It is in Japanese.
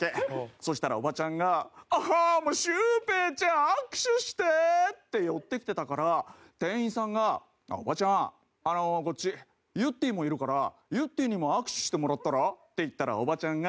そしたらおばちゃんが「あっシュウペイちゃん握手して！」って寄ってきてたから店員さんが「おばちゃんこっちゆってぃもいるからゆってぃにも握手してもらったら？」って言ったらおばちゃんが。